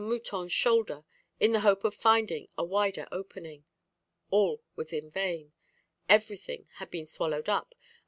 Mouton's shoulder, in the hope of finding a wider opening. All was in vain; everything had been swallowed up, and M.